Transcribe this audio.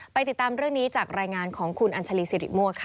ติดตามเรื่องนี้จากรายงานของคุณอัญชาลีสิริมั่วค่ะ